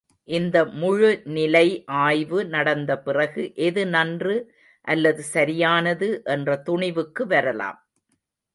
இந்த முழுநிலை ஆய்வு நடந்த பிறகு எது நன்று அல்லது சரியானது என்ற துணிவுக்கு வரலாம்.